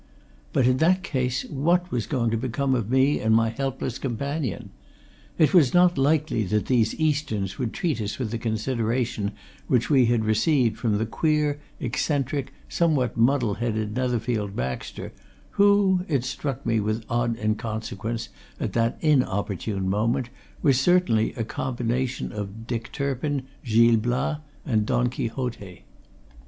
But in that case, what was going to become of me and my helpless companion? It was not likely that these Easterns would treat us with the consideration which we had received from the queer, eccentric, somewhat muddle headed Netherfield Baxter, who it struck me with odd inconsequence at that inopportune moment was certainly a combination of Dick Turpin, Gil Blas, and Don Quixote.